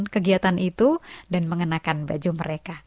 kegiatan itu dan mengenakan baju mereka